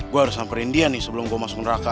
gue harus samperin dia nih sebelum gue masuk neraka